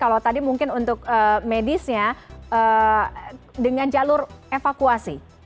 kalau tadi mungkin untuk medisnya dengan jalur evakuasi